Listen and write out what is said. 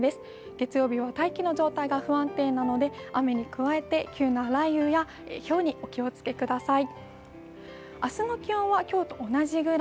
月曜日は大気の状態が不安定なので、雨に加えて急な雷雨やひょうにお気をつけください。